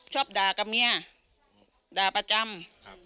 ชอบดากับเมียด่าประจำ